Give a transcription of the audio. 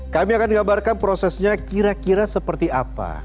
kami akan gambarkan prosesnya kira kira seperti apa